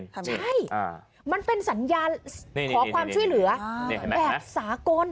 ใช่มันเป็นสัญญาณขอความช่วยเหลือแบบสากล